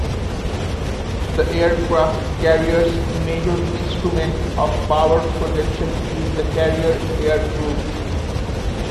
The aircraft carrier's major instrument of power projection is the carrier air group.